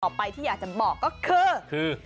ไปที่อยากจะบอกก็คือ